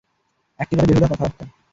এক্কেবারে বেহুদা কথাবার্তা।